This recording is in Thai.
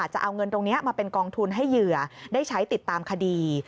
จะเอาเงินตรงนี้มาเป็นกองทุนให้เหยื่อได้ใช้ติดตามคดี